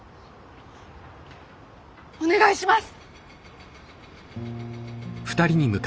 お願いします！